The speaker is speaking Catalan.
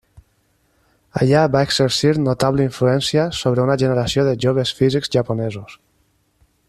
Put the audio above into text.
Allà va exercir notable influència sobre una generació de joves físics japonesos.